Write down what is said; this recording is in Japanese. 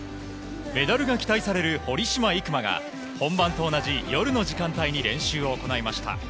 メダルが期待される堀島行真が本番と同じ夜の時間帯に練習を行いました。